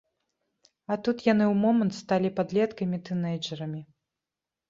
А тут яны ў момант сталі падлеткамі-тынэйджэрамі!